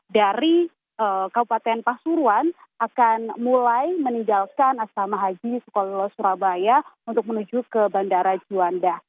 dari kabupaten pasuruan akan mulai meninggalkan asrama haji sukolo surabaya untuk menuju ke bandara juanda